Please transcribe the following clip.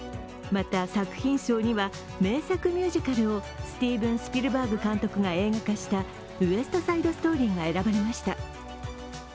また、作品賞には名作ミュージカルをスティーブン・スピルバーグ監督が映画化した「ウエスト・サイド・ストーリー」が選ばれました。